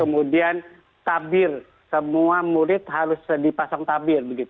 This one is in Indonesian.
kemudian tabir semua murid harus dipasang tabir